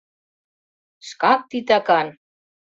— Шкак титакан!